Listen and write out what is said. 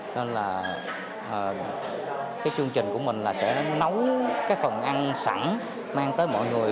nên là cái chương trình của mình là sẽ nấu cái phần ăn sẵn mang tới mọi người